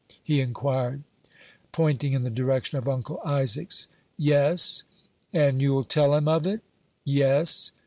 he inquired, pointing in the direction of Uncle Isaac's. "Yes." "And you'll tell him of it?" "Yes."